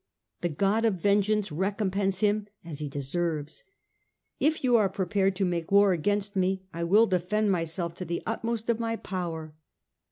The God of vengeance recompense him as he deserves. If you are prepared to make war against me, I will defend myself to the utmost of my power."